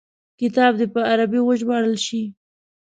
کتاب دي په عربي وژباړل شي.